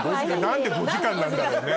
何で５時間なんだろうね？